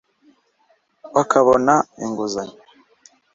bakabona inguzanyo